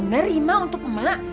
bener rima untuk emak